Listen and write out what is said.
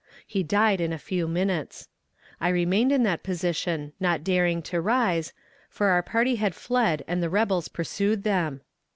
He died in a few minutes. I remained in that position, not daring to rise, for our party had fled and the rebels pursued them.